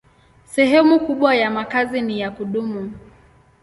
Sehemu kubwa ya makazi ni ya kudumu.